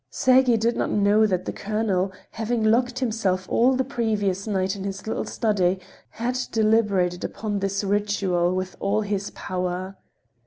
Sergey did not know that the colonel, having locked himself all the previous night in his little study, had deliberated upon this ritual with all his power.